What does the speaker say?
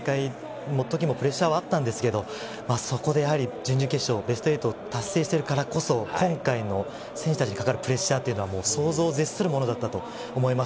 ２０１９年の大会のときもプレッシャーはあったんですけれども、あそこでやはり準々決勝、ベスト８を達成しているからこそ、今回の選手たちにかかるプレッシャーは想像を絶するものだったと思います。